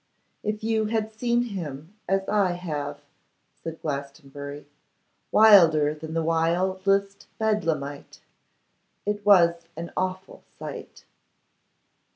'If you had seen him as I have,' said Glastonbury, 'wilder than the wildest Bedlamite! It was an awful sight.